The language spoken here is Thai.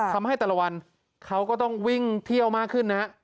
ทำให้แต่ละวันเขาก็ต้องวิ่งเที่ยวมากขึ้นนะฮะ